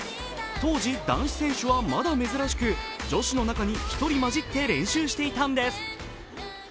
当時男子選手はまだ珍しく女子の中に１人混じって練習していたんです。